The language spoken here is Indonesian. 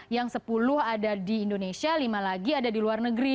yang sepuluh ada di indonesia lima lagi ada di luar negeri